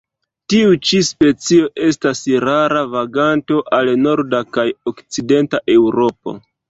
Tiu ĉi specio estas rara vaganto al norda kaj okcidenta Eŭropo.